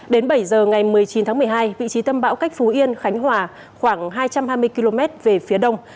đến bảy giờ ngày một mươi chín tháng một mươi hai vị trí tâm bão cách phú yên khánh hòa khoảng hai trăm hai mươi km về phía đông